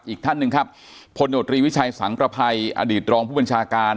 อีกท่านหนึ่งครับพลโนตรีวิชัยสังประภัยอดีตรองผู้บัญชาการ